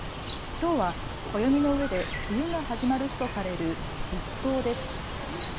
きょうは暦の上で冬が始まる日とされる立冬です。